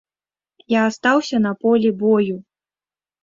Я астаўся на полі бою.